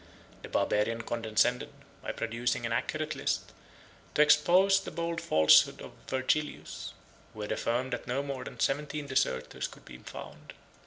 The Barbarian condescended, by producing an accurate list, to expose the bold falsehood of Vigilius, who had affirmed that no more than seventeen deserters could be found.